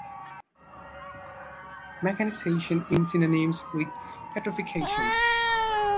Mechanisation is synonymous with petrification.